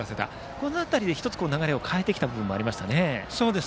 この辺りで流れを変えてきた部分がありましたね。